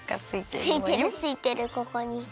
ついてるついてるここに。